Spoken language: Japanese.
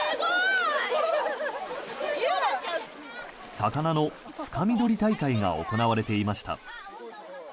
魚のつかみどり大会が行われていました。